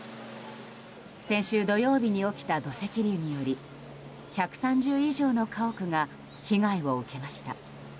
先週土曜日に起きた土石流により１３０以上の家屋が被害を受けました。